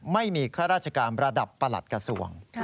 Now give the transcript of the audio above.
ข้าราชการระดับประหลัดกระทรวง